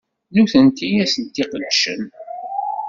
D nutenti i as-d-iqedcen.